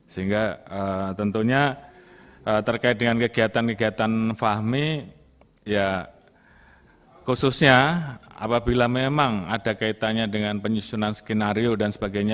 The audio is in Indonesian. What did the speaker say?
sehingga tentunya terkait dengan kegiatan kegiatan fahmi ya khususnya apabila memang ada kaitannya dengan penyusunan skenario dan sebagainya